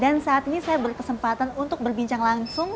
dan saat ini saya berkesempatan untuk berbincang langsung